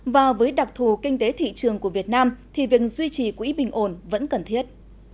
và với đặc thù kinh tế thị trường của việt nam thì việc duy trì quỹ bình ổn vẫn cần thiết